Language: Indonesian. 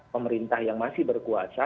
pemerintah yang masih berkuasa